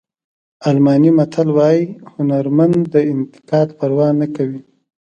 الماني متل وایي هنرمند د انتقاد پروا نه کوي.